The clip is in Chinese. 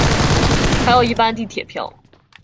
还有一般地铁票